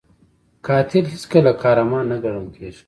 قاتل هیڅکله قهرمان نه ګڼل کېږي